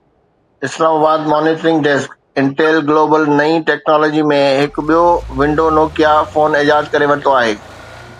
اسلام آباد (monitoring desk) Intel global نئين ٽيڪنالاجي ۾ هڪ ٻيو ونڊو نوڪيا فون ايجاد ڪري ورتو آهي